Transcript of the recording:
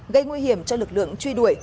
gây nguy hiểm cho lực lượng truy đuổi